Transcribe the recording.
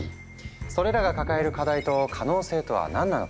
それらが抱える課題と可能性とは何なのか。